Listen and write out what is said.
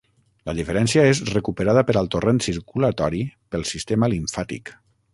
La diferència és recuperada per al torrent circulatori pel sistema limfàtic.